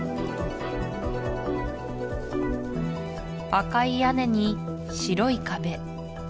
赤い屋根に白い壁